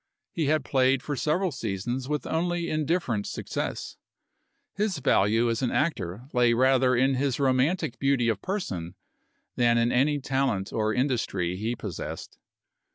He had played for several seasons with only indifferent success ; his value as an actor lay rather in his romantic beauty of person than in any talent or industry he possessed.